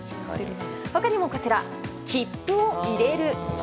他にも、こちら切符を入れる。